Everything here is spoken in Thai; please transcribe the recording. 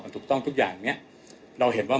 ถูกต้องทุกอย่างเนี่ยเราเห็นว่า